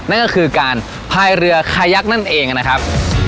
นั่นก็คือการพายเรือขยักนั่นเองนะครับ